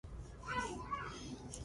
امرا رو ايڪ گِر ھي جي ٿورو موٿو